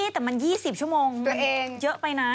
แต่มัน๒๐ชั่วโมงมันเยอะไปนาน